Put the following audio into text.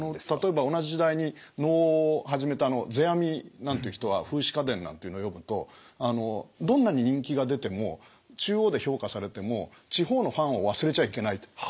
例えば同じ時代に能を始めた世阿弥なんていう人は「風姿花伝」なんていうのを読むとどんなに人気が出ても中央で評価されても地方のファンを忘れちゃいけないって。